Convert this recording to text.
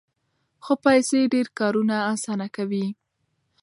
خو پیسې ډېر کارونه اسانه کوي.